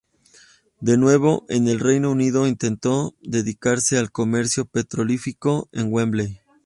De nuevo en el Reino Unido, intentó dedicarse al comercio petrolífero en Wembley.